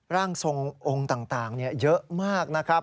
ร่างทรงองค์ต่างเยอะมากนะครับ